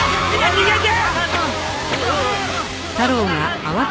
逃げて！